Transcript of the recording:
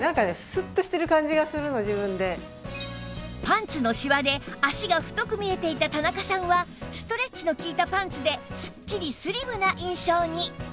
パンツのシワで脚が太く見えていた田中さんはストレッチのきいたパンツですっきりスリムな印象に